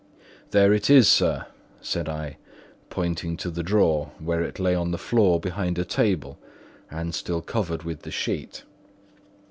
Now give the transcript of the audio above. "There it is, sir," said I, pointing to the drawer, where it lay on the floor behind a table and still covered with the sheet.